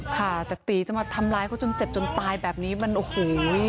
ค่ะแต่ตีจะมาทำร้ายเขาจนเจ็บจนตายแบบนี้มันโอ้โห